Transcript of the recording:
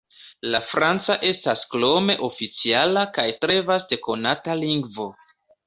La franca estas krome oficiala kaj tre vaste konata lingvo.